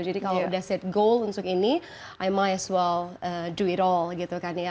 jadi kalau udah set goal untuk ini i might as well do it all gitu kan ya